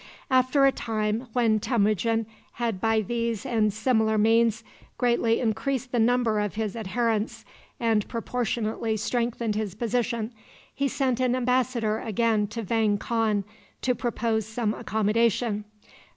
After a time, when Temujin had by these and similar means greatly increased the number of his adherents, and proportionately strengthened his position, he sent an embassador again to Vang Khan to propose some accommodation.